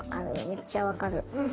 めっちゃ分かる。